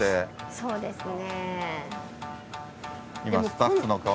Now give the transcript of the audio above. そうですね。